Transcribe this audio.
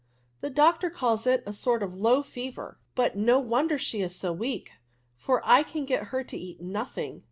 The doctor calls it a sort of low fever ; but no wonder she is so weak, for I can get her to eat nothing.